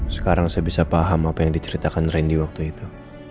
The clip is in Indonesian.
sekarang saya bisa paham apa yang diceritakan randy waktu itu